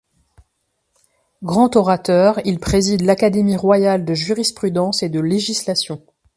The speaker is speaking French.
Grand orateur, il préside l'Académie royale de jurisprudence et de législation.